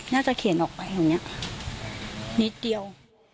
น่าจะเขียนออกไปอย่างนี้นิดเดียว